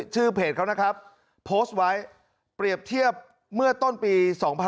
ชื่อเพจเขานะครับโพสต์ไว้เปรียบเทียบเมื่อต้นปี๒๕๖๒